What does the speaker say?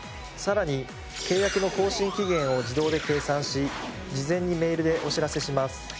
さらに契約の更新期限を自動で計算し事前にメールでお知らせします。